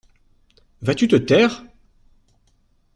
Vas-tu te taire ?